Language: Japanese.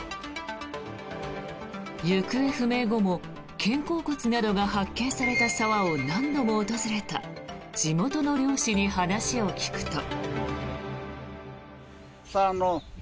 行方不明後も肩甲骨などが発見された沢を何度も訪れた地元の猟師に話を聞くと。